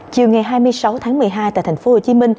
chiều ngày hai mươi sáu tháng một mươi hai tại tp hcm